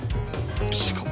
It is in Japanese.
しかも